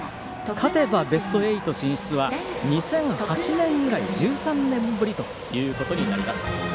勝てばベスト８進出は２００８年以来、１３年ぶりということになります。